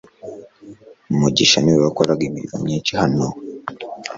mugisha niwe wakoraga imirimo myinshi hano